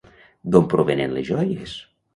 D'on provenen les joies?